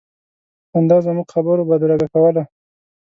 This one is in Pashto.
خندا زموږ خبرو بدرګه کوله.